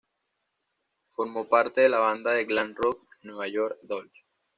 Formó parte de la banda de glam rock New York Dolls.